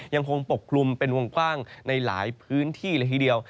ยังคงปกคลุมเป็นวงกว้างในหลายพื้นที่เลยทีเดียว